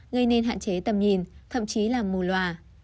gây nên hạn chế tầm nhìn thậm chí là mù loà